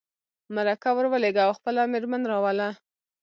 مرکه ور ولېږه او خپله مېرمن راوله.